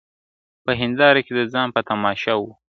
په هینداره کي د ځان په تماشا وه !.